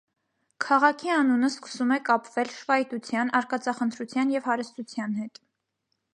Քաղաքի անունը սկսում է կապվել շվայտության, արկածախնդրության և հարստության հետ։